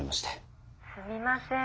すみません